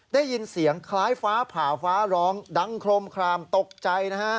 ได้ยินเสียงคล้ายฟ้าผ่าฟ้าร้องดังโครมคลามตกใจนะฮะ